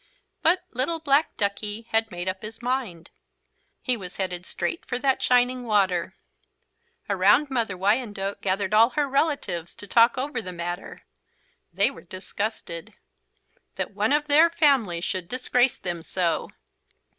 But little black Duckie had made up his mind. He was headed straight for that shining water. Around Mother Wyandotte gathered all her relatives to talk over the matter. They were disgusted. That one of their family should disgrace them so!